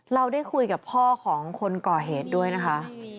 เราได้คุยกับพ่อของคนก่อเหตุด้วยนะคะ